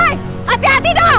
hei hati hati dong